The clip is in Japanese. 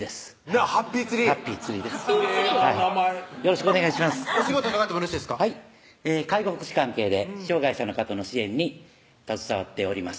はい介護福祉関係で障害者の方の支援に携わっております